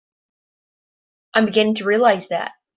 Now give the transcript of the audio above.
I'm beginning to realize that.